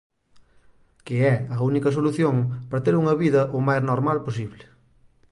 Que é a única solución para ter unha vida o máis normal posible.